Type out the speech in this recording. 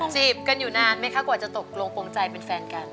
จีบกันอยู่นานมั้ยคะกว่าเป็นชี้ดใจลงพองใจเป็นแฟนกัน